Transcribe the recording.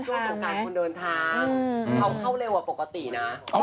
ดูสิบการณ์ที่มีคนดนทาง